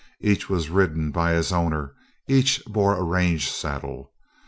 Each was ridden by his owner, each bore a range saddle.